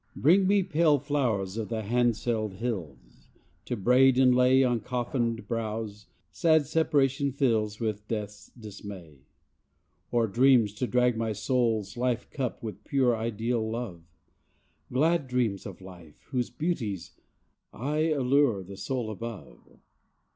Bring me pale flowers of the handselled hills, To braid and lay On coffined brows, sad separation fills With death's dismay. Or dreams to drug my soul's life cup with pure Ideal love; Glad dreams of life whose beauties aye allure The soul above.